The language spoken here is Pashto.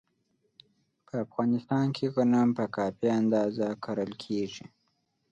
په افغانستان کې غنم په کافي اندازه کرل کېږي.